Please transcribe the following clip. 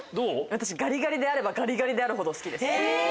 私ガリガリであればガリガリであるほど好きです。